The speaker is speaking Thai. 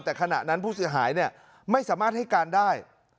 แต่ขณะนั้นผู้เสียหายไม่สามารถให้การได้